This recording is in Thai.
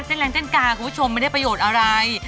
แรงเส้นกาคุณผู้ชมไม่ได้ประโยชน์อะไร